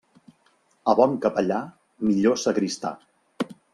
A bon capellà, millor sagristà.